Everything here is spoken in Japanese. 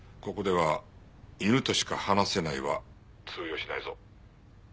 ここでは「犬としか話せない」は通用しないぞ。